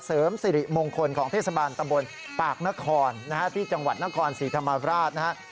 เสริมสิริมงคลของเทศบาลตำบลปากนครนะฮะที่จังหวัดนครศรีธรรมราชนะฮะ